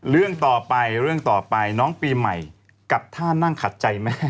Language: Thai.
เรื่องต่อไปเรื่องต่อไปน้องปีใหม่กับท่านั่งขัดใจแม่